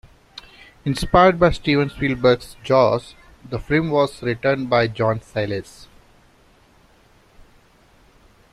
Inspired by Steven Spielberg's "Jaws", the film was written by John Sayles.